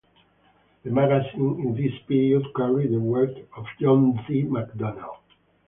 The magazine in this period carried the work of John D. MacDonald.